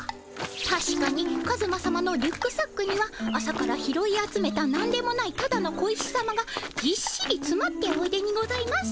たしかにカズマさまのリュックサックには朝から拾い集めたなんでもないただの小石さまがぎっしりつまっておいでにございます。